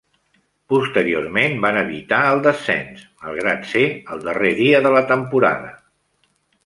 Posteriorment van evitar el descens, malgrat ser el darrer dia de la temporada.